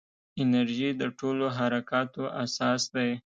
انرژي د ټولو حرکاتو اساس دی.